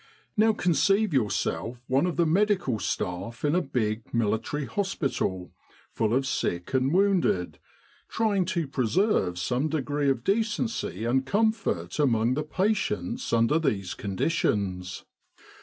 "Now conceive yourself one of the medical staff in a big military hospital full of sick and wounded, frying to preserve some degree of decency and com fort among the patients under these conditions.